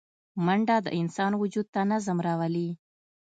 منډه د انسان وجود ته نظم راولي